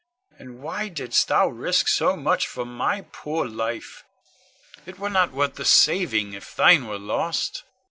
Ah, why didst thou risk so much for my poor life? It were not worth the saving if thine were lost.